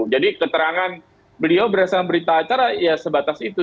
jadi keterangan beliau berdasarkan berita acara ya sebatas itu